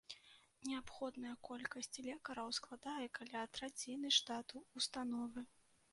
Неабходная колькасць лекараў складае каля траціны штату ўстановы.